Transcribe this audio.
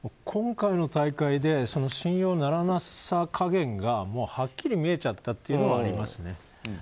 今回の大会で信用ならなさ加減がはっきり見えちゃったというのはありますね。